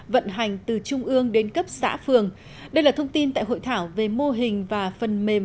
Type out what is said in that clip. vận hành từ trung ương đến cấp xã phường đây là thông tin tại hội thảo về mô hình và phần mềm